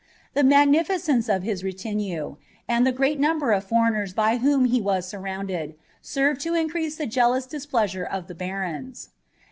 The magnificence of bis n and the great number of foreigiiera by whom he was BUrrouodDd. aen to increase the jealous disple.asure of the barons.